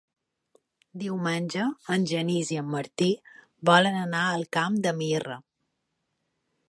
Diumenge en Genís i en Martí volen anar al Camp de Mirra.